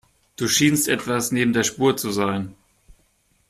Du schienst etwas neben der Spur zu sein.